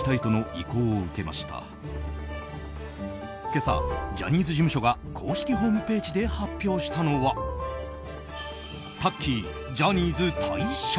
今朝、ジャニーズ事務所が公式ホームページで発表したのはタッキー、ジャニーズ退社。